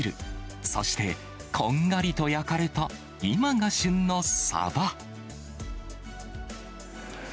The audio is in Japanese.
そして、こんがりと焼かれた今が旬のサバ。